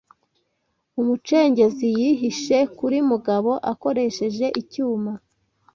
Umucengezi yihishe kuri Mugabo akoresheje icyuma.